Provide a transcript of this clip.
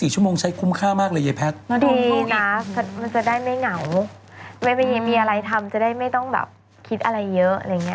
๒๔ชั่วโมงใช้คุ้มค่ามากดินะมันจะได้ไม่เหงามันไม่มีอะไรทำจะได้ไม่ต้องคิดอะไรเยอะ